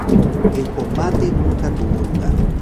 El combate nunca tuvo lugar.